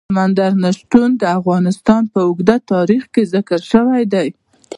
سمندر نه شتون د افغانستان په اوږده تاریخ کې ذکر شوی دی.